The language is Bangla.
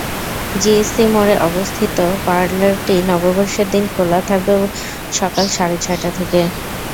জিইসি মোড়ে অবস্থিত পারলারটি নববর্ষের দিন খোলা থাকবে সকাল সাড়ে ছয়টা থেকে।